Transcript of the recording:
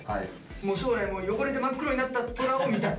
もう将来汚れて真っ黒になったトラを見たい。